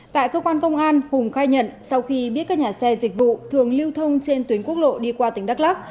tại cơ quan công an hùng khai nhận sau khi biết các nhà xe dịch vụ thường lưu thông trên tuyến quốc lộ đi qua tỉnh đắk lắc